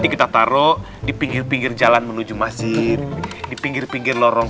kita taruh di pinggir pinggir jalan menuju masjid di pinggir pinggir lorong